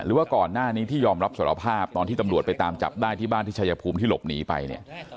หรือว่าก่อนหน้านี้ที่ยอมรับสารภาพตอนที่ตำรวจไปตามจับได้ที่บ้านที่ชายภูมิที่หลบหนีไปเนี่ย